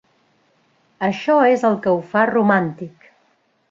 Això és el que ho fa romàntic.